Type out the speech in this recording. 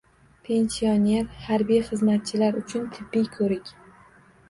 Pensioner harbiy xizmatchilar uchun tibbiy ko‘rik